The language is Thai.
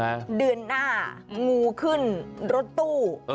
เดือนหน้างูขึ้นรถตู้